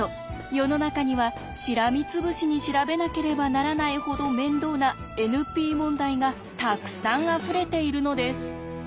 世の中にはしらみつぶしに調べなければならないほど面倒なＮＰ問題がたくさんあふれているのです。